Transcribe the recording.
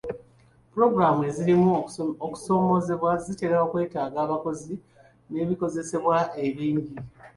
Pulogulaamu ezirimu okusoomoozebwa zitera okwetaaga abakozi n'ebikozesebwa ebingi.